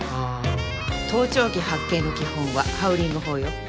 盗聴器発見の基本はハウリング法よ